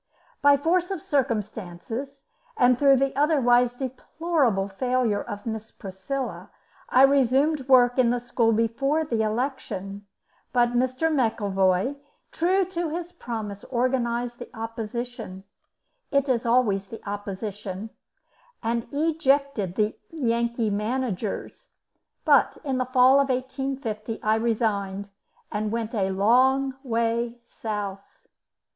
By force of circumstances, and through the otherwise deplorable failure of Miss Priscilla, I resumed work in the school before the election, but Mr. McEvoy, true to his promise, organised the opposition it is always the opposition and ejected the Yankee managers, but in the fall of 1850 I resigned, and went a long way south.